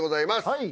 はい。